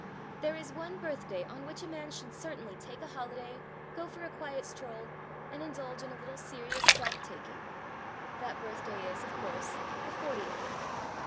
There is one birthday on which a man should certainly take a holiday, go for a quiet stroll, and indulge in a little serious stock taking. That birthday is, of course, the fortieth.